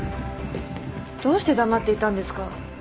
どうして黙っていたんですか？